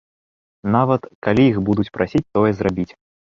Нават калі іх будуць прасіць тое зрабіць.